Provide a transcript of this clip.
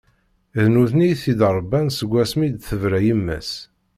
D nutni i t-id-irebban seg wasmi i d-tebra yemma-s.